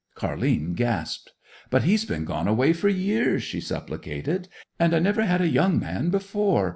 Car'line gasped. 'But he's been gone away for years!' she supplicated. 'And I never had a young man before!